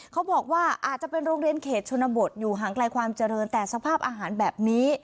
เขาบอกว่าอาจจะเป็นโรงเรียนเขตชนบทอยู่ห่างไกลความเจริญแต่สภาพอาหารแบบนี้